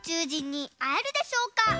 じんにあえるでしょうか？